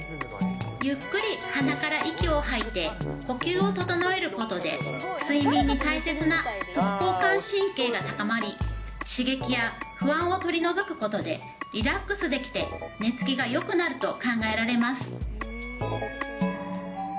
ゆっくり鼻から息を吐いて、呼吸を整えることで、睡眠に大切な副交感神経が高まり、刺激や不安を取り除くことで、リラックスできて寝つきがよくなると考えられます。